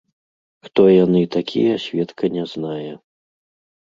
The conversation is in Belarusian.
Хто яны такія, сведка не знае.